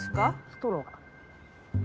ストローが。